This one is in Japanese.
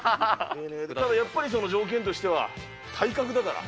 だからやっぱりその条件としては体格だから。